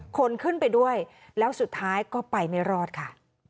คนขึ้นไปด้วยแล้วสุดท้ายก็ไปไม่รอดค่ะ